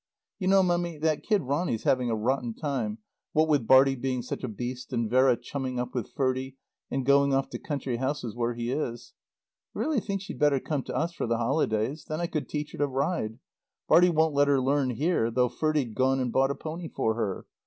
You know, Mummy, that kid Ronny's having a rotten time, what with Bartie being such a beast and Vera chumming up with Ferdie and going off to country houses where he is. I really think she'd better come to us for the holidays. Then I could teach her to ride. Bartie won't let her learn here, though Ferdie'd gone and bought a pony for her.